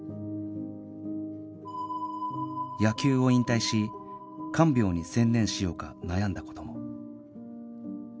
野球を引退し看病に専念しようか悩んだ事も